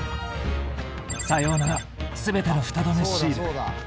さようなら全てのフタ止めシール。